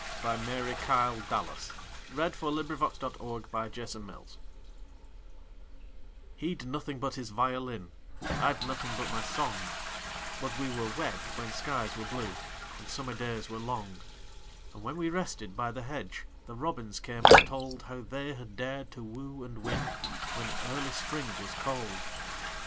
By Mary KyleDallas 1181 He 'd Nothing but His Violin HE 'D nothing but his violin,I 'd nothing but my song, But we were wed when skies were blueAnd summer days were long; And when we rested by the hedge, The robins came and toldHow they had dared to woo and win, When early Spring was cold.